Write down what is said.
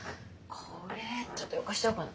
これちょっとどかしちゃおうかな。